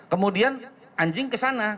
kemudian anjing kesana